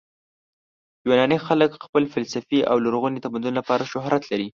یوناني خلک د خپل فلسفې او لرغوني تمدن لپاره شهرت لري.